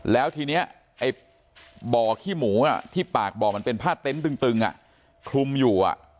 แล้วทีนี้ไอ้บ่อขี้หมูที่ปากบ่อมันเป็นผ้าเต็นต์ตึงคลุมอยู่